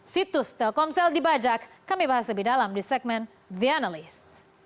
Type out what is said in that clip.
situs telkomsel dibajak kami bahas lebih dalam di segmen the analyst